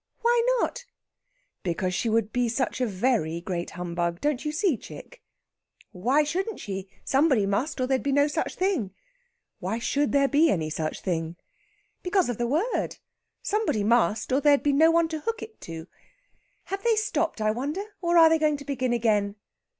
"Why not?" "Because she would be such a very great humbug, don't you see, chick?" "Why shouldn't she? Somebody must, or there'd be no such thing." "Why should there be any such thing?" "Because of the word. Somebody must, or there'd be no one to hook it to.... Have they stopped, I wonder, or are they going to begin again?"